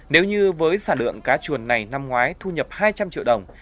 nếu như với sản lượng cá chuồng này năm ngoái thu nhập hai trăm linh triệu đồng